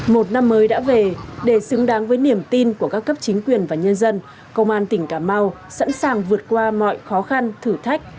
một năm mới đã về để xứng đáng với niềm tin của các cấp chính quyền và nhân dân công an tỉnh cà mau sẵn sàng vượt qua mọi khó khăn thử thách